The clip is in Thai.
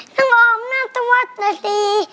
ทั้งออมนัทวัสดี